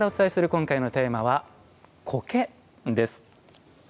今回のテーマは苔です。